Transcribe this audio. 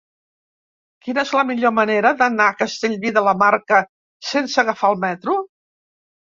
Quina és la millor manera d'anar a Castellví de la Marca sense agafar el metro?